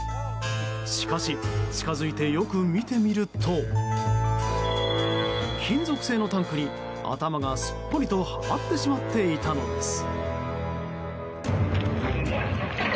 しかし、近づいてよく見てみると金属製のタンクに頭がすっぽりとはまってしまっていたのです。